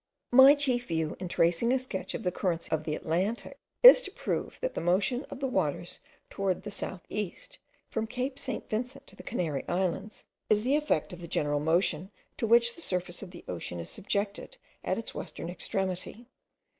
My chief view in tracing a sketch of the currents of the Atlantic is to prove that the motion of the waters towards the south east, from Cape St. Vincent to the Canary Islands, is the effect of the general motion to which the surface of the ocean is subjected at its western extremity.